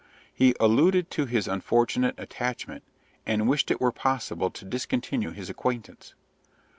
He alluded to his unfortunate attachment, and wished it were possible to discontinue his acquaintance.